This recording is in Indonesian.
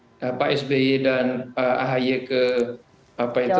pak sby dan pak ganjar itu bisa membantu pak mahfud itu juga bisa membantu